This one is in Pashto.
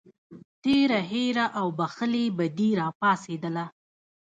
تېره هیره او بښلې بدي راپاڅېدله.